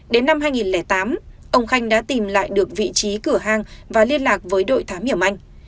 đến năm hai nghìn tám ông khanh đã tìm lại được vị trí cửa hàng và liên lạc với đội thám hiểm anh